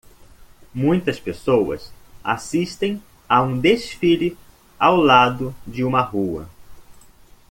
Muitas pessoas assistem a um desfile ao lado de uma rua.